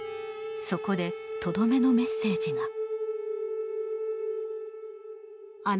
そこでとどめのメッセージが。